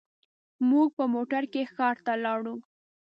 موږ په موټر کې ښار ته لاړو.